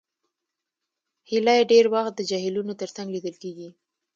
هیلۍ ډېر وخت د جهیلونو تر څنګ لیدل کېږي